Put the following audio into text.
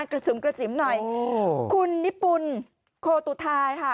จุ๋มกระจิ๋มหน่อยคุณนิปุ่นโคตุธาค่ะ